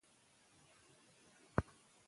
که په ټولنه کې انصاف وي، نو خلکو کې کینه نه وي.